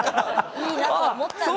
いいなと思ったんですね。